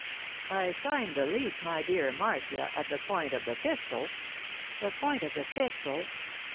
'I signed the lease, my dear Marcia, at the point of the pistol.' 'The point of the pistol?